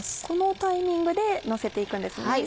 このタイミングでのせて行くんですね？